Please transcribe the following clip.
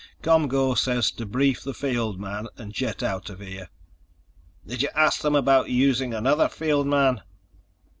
ComGO says to brief the field man, and jet out of here." "Did you ask them about using another field man?"